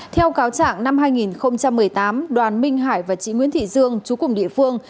theo cáo trạng năm hai nghìn một mươi tám đoàn minh hải và chị nguyễn thị dương chú cùng địa phương